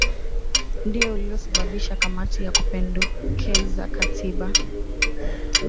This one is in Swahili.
Ndio uliosababisha kamati ya kupendekeza Katiba